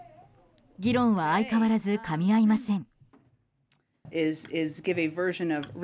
議論は相変わらずかみ合いません。